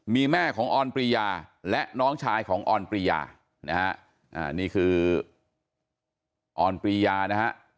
มีแม่ของออนปรียาและน้องชายของออนปรียานะฮะนี่คือออนปรียานะฮะ